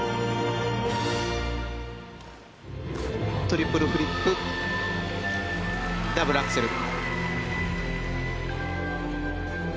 トリプルフリップダブルアクセル。